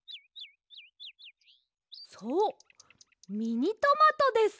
そうミニトマトです！